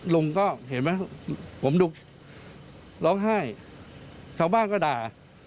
ลุงก็เห็นไหมผมดูร้องไห้ชาวบ้านก็ด่า